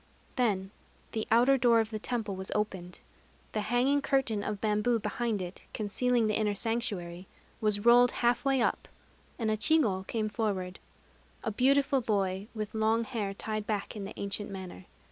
Then the outer door of the temple was opened; the hanging curtain of bamboo behind it, concealing the inner sanctuary, was rolled half way up; and a chigo came forward, a beautiful boy, with long hair tied back in the ancient manner.